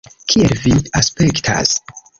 Kiel vi aspektas?